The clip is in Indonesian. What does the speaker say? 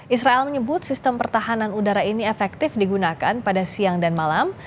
israel menyebut sistem pertahanan udara ini efektif digunakan pada siang dan malam